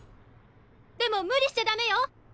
でも無理しちゃダメよ！